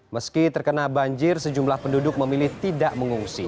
meski terkena banjir sejumlah penduduk memilih tidak mengungsi